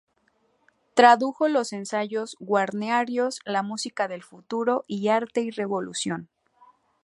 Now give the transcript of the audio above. Tradujo los ensayos wagnerianos "La música del futuro" y "Arte y revolución".